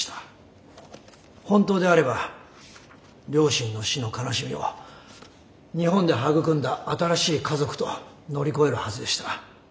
本当であれば両親の死の悲しみを日本で育んだ新しい家族と乗り越えるはずでした。